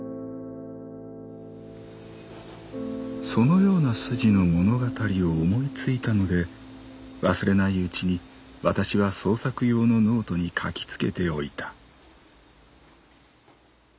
「そのような筋の物語を思いついたので忘れないうちにわたしは創作用のノートに書きつけておいた」。